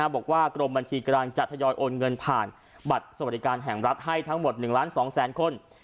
บอกว่ากรมบัญชีกลางจะทยอยโอนเงินผ่านบัตรสวัสดิการแห่งรัฐให้ทั้งหมด๑ล้าน๒แสนคน